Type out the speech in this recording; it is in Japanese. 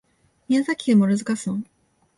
宮崎県諸塚村